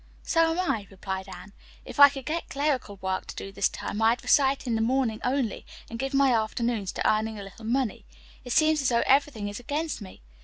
"So am I," replied Anne. "If I could get clerical work to do this term I'd recite in the morning only and give my afternoons to earning a little money. It seems as though everything is against me.